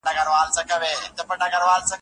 آ- جار!